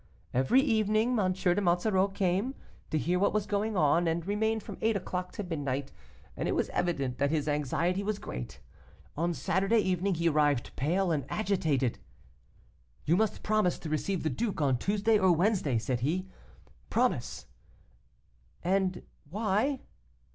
"Every evening M. de Monsoreau came, to hear what was going on, and remained from eight o'clock to midnight, and it was evident that his anxiety was great. On Saturday evening he arrived pale and agitated. "'You must promise to receive the duke on Tuesday or Wednesday,' said he. 'Promise! and why?